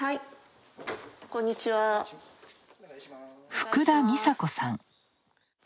福田美佐子さん。